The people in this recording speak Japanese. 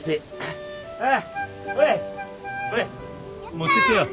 持ってってよ。